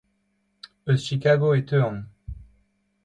Eus Chigago e teuan.